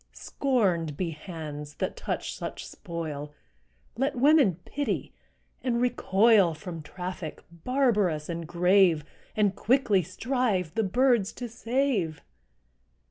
Scorned be hands that touch such spoil! Let women pity, and recoil From traffic, barbarous and grave, And quickly strive the birds to save.